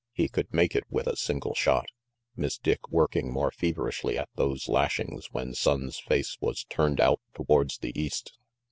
He could make it with a single shot Miss Dick working more feverishly at those lashings when Sonnes' face was turned out towards the east.